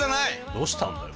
どうしたんだよ。